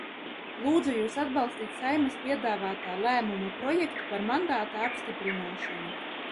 Lūdzu jūs atbalstīt piedāvāto Saeimas lēmuma projektu par mandāta apstiprināšanu.